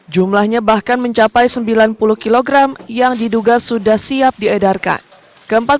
jumlahnya bahkan mencapai sembilan puluh kg yang diduga sudah siap diedarkan